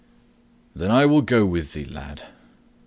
"Then I will go with thee, lad.